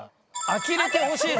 「あきれてほしい」。